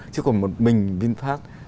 chứ còn một mình vinfast